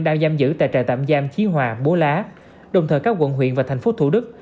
đang giam giữ tại trại tạm giam chí hòa búa lá đồng thời các quận huyện và thành phố thủ đức